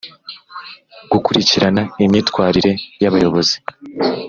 Gukurikirana imyitwarire y’abayobozi